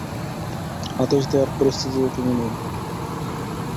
আদেশ দেয়ার পরিস্থিতিতে তুমি নেই।